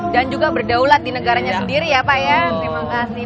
dan juga berdaulat di negaranya sendiri ya pak ya terima kasih